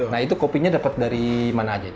nah itu kopinya dapat dari mana aja